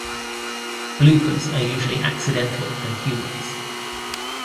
Bloopers are usually accidental and humorous.